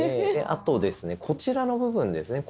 あとですねこちらの部分ですね。